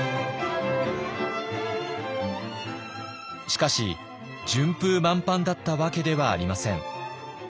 しかし順風満帆だったわけではありません。